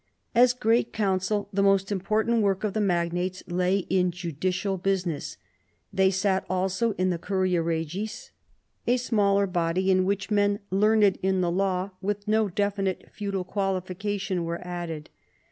As great council, the most important work of the magnates lay in judicial business. They sat also in the curia regis, a smaller body, to which men learned in the law, with no definite feudal qualification, were added.